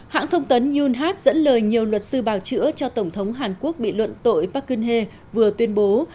hãng thông tấn yunhap dẫn lời nhiều luật sư bào chữa cho tổng thống hàn quốc bị luận tội park geun hye vừa tuyên bố